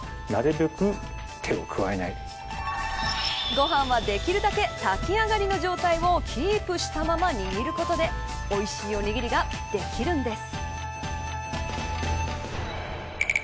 ご飯はできるだけ炊き上がりの状態をキープしたまま握ることでおいしいおにぎりができるんです。